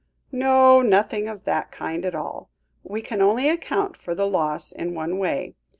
"No, nothing of that kind at all. We can only account for the loss in one way.